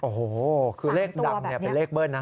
โอ้โหคือเลขดังเป็นเลขเบิ้ลนะ